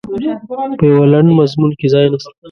په یوه لنډ مضمون کې ځای نسته.